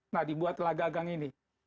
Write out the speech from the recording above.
nah dibuatlah gagang ini